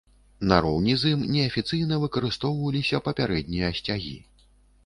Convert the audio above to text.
Нароўні з ім неафіцыйна выкарыстоўваліся папярэднія сцягі.